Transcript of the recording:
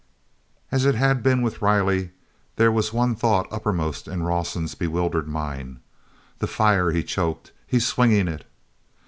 As it had been with Riley, there was one thought uppermost in Rawson's bewildered mind: "The fire!" he choked. "He's swinging it...."